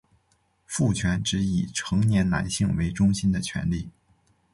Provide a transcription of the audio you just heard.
父权指以成年男性为中心的权力。